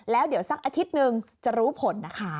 แล้วเดี๋ยวสักอาทิตย์หนึ่งจะรู้ผลนะคะ